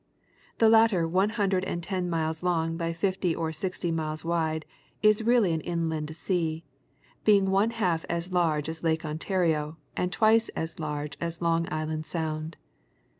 The latter one hundred and ten miles long by fifty or sixty miles wide is really an inland sea, being one half as large as Lake Ontario and twice as large as Long Island Sound.